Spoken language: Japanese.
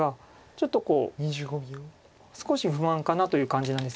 ちょっとこう少し不安かなという感じなんです